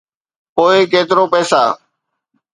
پوء ڪيترو پئسا؟